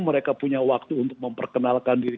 mereka punya waktu untuk memperkenalkan diri